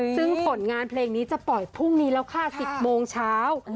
ซึ่งผลงานเพลงนี้จะปล่อยพรุ่งนี้แล้วค่ะ๑๐โมงเช้า